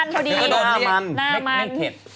อ๋อหน้ามันพอดี